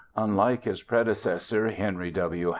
Unlike his predecessor, Henry W.